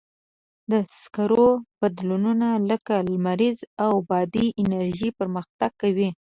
د سکرو بدیلونه لکه لمریزه او بادي انرژي پرمختګ کوي.